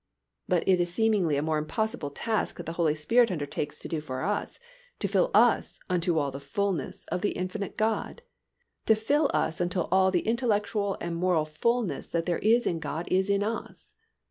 But it is seemingly a more impossible task that the Holy Spirit undertakes to do for us, to fill us "unto all the fullness" of the infinite God, to fill us until all the intellectual and moral fullness that there is in God is in us.